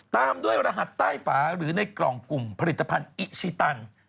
ตามด้วยรหัสใต้ฝาหรือในกล่องกลุ่มผลิตภัณฑ์อิชิตัน